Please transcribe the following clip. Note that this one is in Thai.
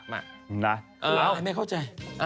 ไม่เข้าใจ